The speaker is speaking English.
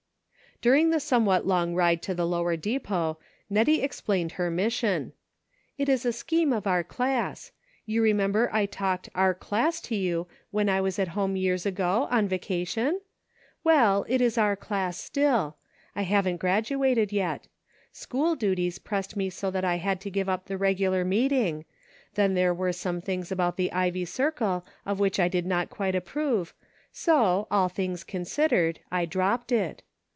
During the somewhat long ride to the lower depot, Nettie explained her mission :" It is a scheme of our class. You remember I talked our class to you when I was at home years ago, on vacation } Well, it is our class still ; I haven't graduated yet. School duties pressed me so that I had to give up the regular reading ; then there were some things about the Ivy Circle of which I did not quite approve, so, all things considered, I dropped it.